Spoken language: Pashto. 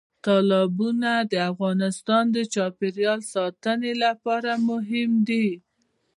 تالابونه د افغانستان د چاپیریال ساتنې لپاره مهم دي.